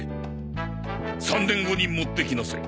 ３年後に持ってきなさい。